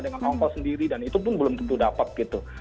dengan ongkol sendiri dan itu pun belum tentu dapat gitu